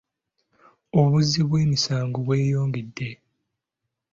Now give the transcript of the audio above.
Obuzzi bw'emisango bweyongedde.